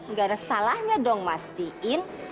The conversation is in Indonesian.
nggak ada salahnya dong mastiin